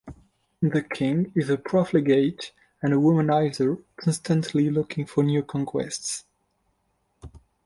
The king is a profligate and a womanizer, constantly looking for new conquests.